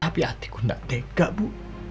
tapi hatiku tidak tega bu